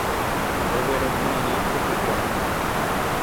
Oguerokirĩnte hikuái.